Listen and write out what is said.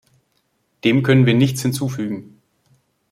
Dem können wir nichts hinzufügen.